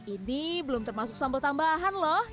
ini belum termasuk sambal tambahan loh